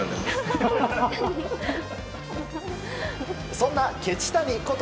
そんなケチ谷こと